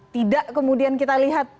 tidak kemudian kita lihat